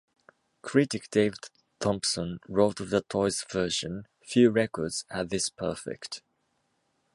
Critic Dave Thompson wrote of the Toys' version, Few records are this perfect.